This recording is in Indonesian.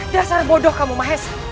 dasar bodoh kamu mahes